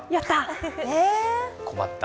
困った。